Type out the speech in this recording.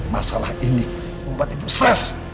masalah ini membuat ibu slas